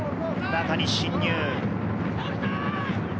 中に進入。